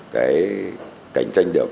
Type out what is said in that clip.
cái cạnh tranh được